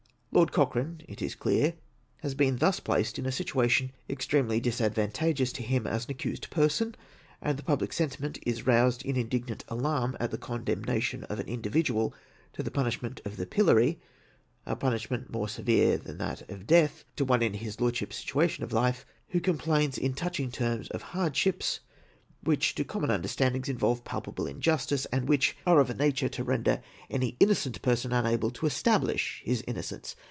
Lord Cochrane, it is clear, has been thus placed in a situa tion extremely disadvantageous to him as an accused person, and the public sentiment is roused in indignant alarm at the condemnation of an individual to the punishment of the pil lory (a punishment more severe than that of death to one in his Lordship's situation of life), who complains in touching terms of hardships, which, to common understandings, involve palpable injustice, and which are of a nature to render any innocent person unable to establish his innocence.